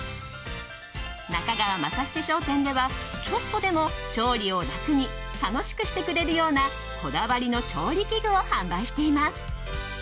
中川政七商店ではちょっとでも調理を楽に楽しくしてくれるようなこだわりの調理器具を販売しています。